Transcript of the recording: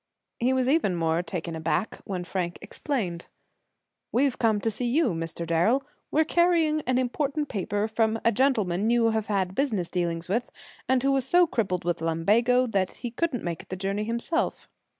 He was even more taken aback when Frank explained. "We have come up here to see you, Mr. Darrel. We're carrying an important paper from a gentleman you have had business dealings with, and who was so crippled with lumbago that he couldn't make the journey himself."